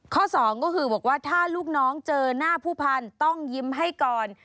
สองก็คือบอกว่าถ้าลูกน้องเจอหน้าผู้พันธุ์ต้องยิ้มให้ก่อน